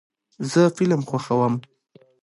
زه فلم خوښوم.